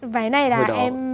váy này là em